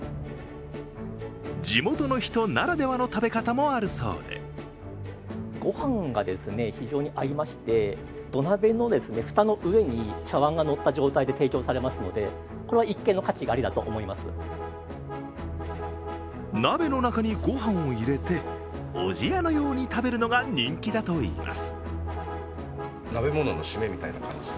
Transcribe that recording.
地元の人ならではの食べ方もあるそうで鍋の中にご飯を入れておじやのように食べるのが人気だといいます。